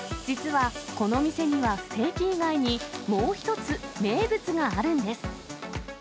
実はこの店にはステーキ以外に、もう１つ、名物があるんです。